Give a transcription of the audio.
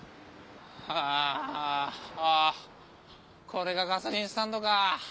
これがガソリンスタンドか。